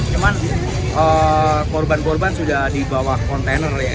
cuman korban korban sudah di bawah kontainer ya